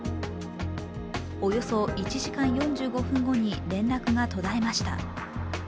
およそ１時間４５分後に連絡が途絶えました。